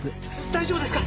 大丈夫ですか？